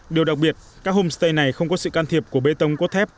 điều đặc biệt các homestay này không có sự can thiệp của bê tông cốt thép